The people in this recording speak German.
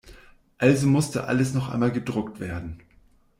Also musste alles noch einmal gedruckt werden.